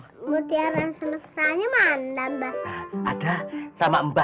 mutiaran semestanya mana mbah